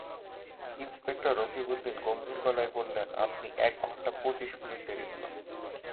Inspector Rakibuddin গম্ভীর গলায় বললেন, আপনি এক ঘন্টা পঁচিশ মিনিট দেরি হল।